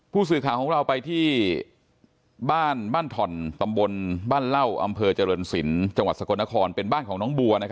ผู้ศึกาของเราไปที่บ้านทอนตำบลบ้านเล่าอำเภอเจริญศิลป์จังหวัดสกรนครเป็นบ้านของน้องบัวนะครับ